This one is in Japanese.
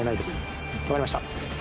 わかりました。